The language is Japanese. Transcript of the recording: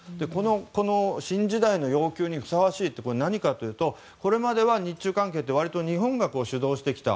この新時代の要求にふさわしいというのは何かというとこれまでは日中関係って割と日本が主導してきた。